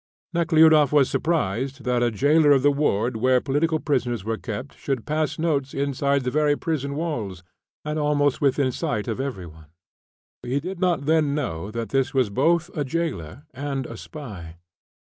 Nekhludoff was surprised that a jailer of the ward where political prisoners were kept should pass notes inside the very prison walls, and almost within sight of every one; he did not then know that this was both a jailer and a spy.